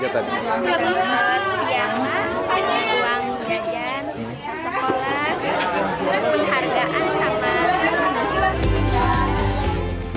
dapat uang uang jajan uang sekolah penhargaan sama